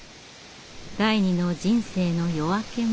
第二の人生の夜明け前。